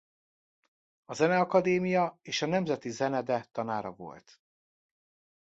A Zeneakadémia és a Nemzeti Zenede tanára volt.